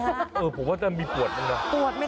ทุกข้าทุกข้าทุกข้าทุกข้าทุกข้า